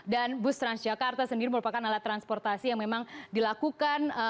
dan bus trans jakarta sendiri merupakan alat transportasi yang memang dilakukan